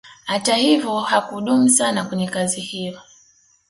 Hata hivyo hakudumu sana kwenye kazi hiyo